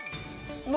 何？